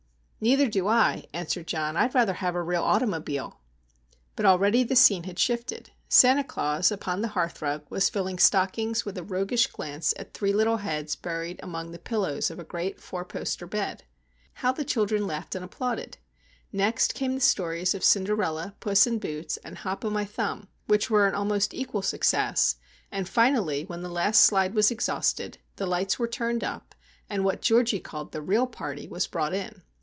"Neither do I," answered John. "I'd rather have a real automobile." But already the scene had shifted. Santa Claus, upon the hearthrug, was filling stockings with a roguish glance at three little heads buried among the pillows of a great four poster bed. How the children laughed and applauded! Next came the stories of Cinderella, Puss in Boots, and Hop o' My Thumb, which were an almost equal success; and, finally, when the last slide was exhausted, the lights were turned up, and what Georgie called "the real party" was brought in.